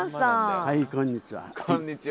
はいこんにちは。